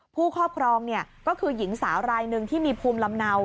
ผู้ครอบครองเนี่ยก็คือหญิงสารายนึงที่มีภูมิลำเนา